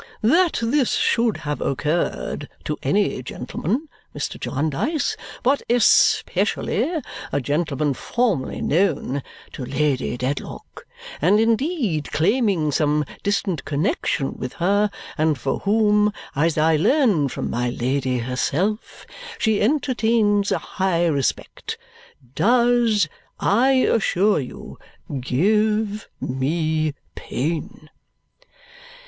That this should have occurred to any gentleman, Mr. Jarndyce, but especially a gentleman formerly known to Lady Dedlock, and indeed claiming some distant connexion with her, and for whom (as I learn from my Lady herself) she entertains a high respect, does, I assure you, give me pain."